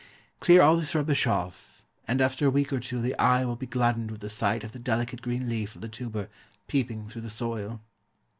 Clear all this rubbish off, and after a week or two the eye will be gladdened with the sight of the delicate green leaf of the tuber peeping through the soil.